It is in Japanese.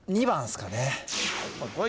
２番っすかね。